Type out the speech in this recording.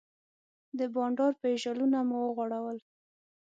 د بانډار پیژلونه مو وغوړول.